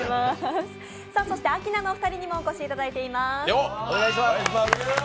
そしてアキナのお二人にもお越しいただいています。